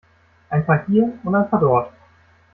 Ein paar hier und ein paar dort.